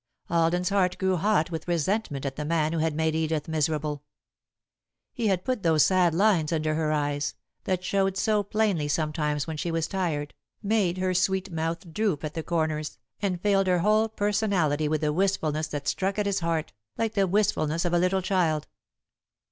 Alden's heart grew hot with resentment at the man who had made Edith miserable. He had put those sad lines under her eyes, that showed so plainly sometimes when she was tired, made her sweet mouth droop at the corners, and filled her whole personality with the wistfulness that struck at his heart, like the wistfulness of a little child.